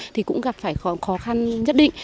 thì cũng gặp phải khó khăn nhất định